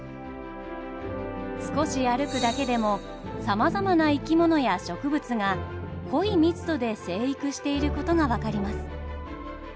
少し歩くだけでもさまざまな生き物や植物が濃い密度で生育していることが分かります。